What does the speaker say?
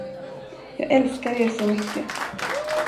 Jag älskar er så mycket.